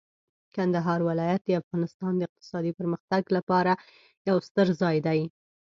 کندهار ولایت د افغانستان د اقتصادي پرمختګ لپاره یو ستر ځای دی.